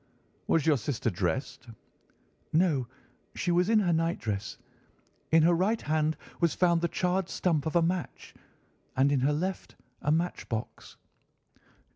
"Was your sister dressed?" "No, she was in her night dress. In her right hand was found the charred stump of a match, and in her left a match box."